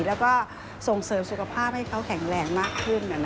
แล้วก็ส่งเสริมสุขภาพให้เขาแข็งแรงมากขึ้น